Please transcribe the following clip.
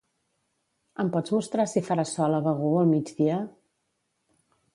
Em pots mostrar si farà sol a Begur al migdia?